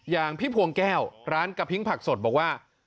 อย่างพี่พวงแก้วร้านกะพิ้งผักสดบอกว่า